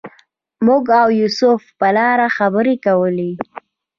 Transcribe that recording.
موږ او یوسف په ولاړه خبرې کولې.